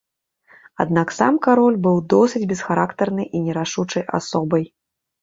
Аднак сам кароль быў досыць бесхарактарнай і нерашучай асобай.